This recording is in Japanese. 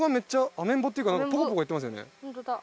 アメンボっていうかなんかポコポコいってますよね。